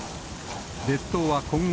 列島は今後、